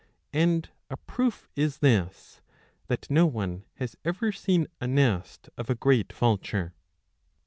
And a proof is this, that no one has ever seen a nest of a great vulture.